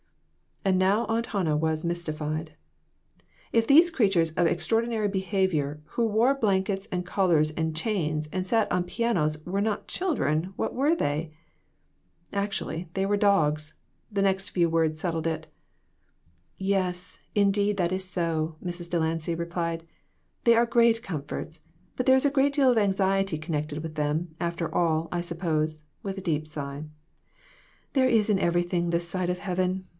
And now Aunt Hannah was mystified. If these creatures of extraordinary behavior, who wore blankets and collars and chains, and sat on pianos, were not children, what were they ? Act ually, they were dogs ! The next few words set tled it. "Yes, indeed, that is so," Mrs. Delancy replied; "they are great comforts, but there is a good deal of anxiety connected with them, after all, I sup pose," with a deep sigh; "there is in everything this side of heaven.